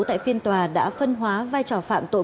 tại phiên tòa đã phân hóa vai trò phạm tội